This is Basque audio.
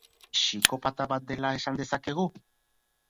Psikopata bat dela esan dezakegu?